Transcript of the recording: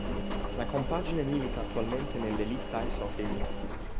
La compagine milita attualmente nell'Elite Ice Hockey League.